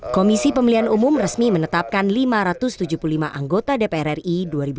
komisi pemilihan umum resmi menetapkan lima ratus tujuh puluh lima anggota dpr ri dua ribu sembilan belas dua ribu dua puluh empat